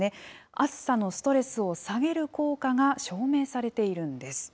暑さのストレスを下げる効果が証明されているんです。